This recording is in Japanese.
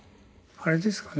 あれですかね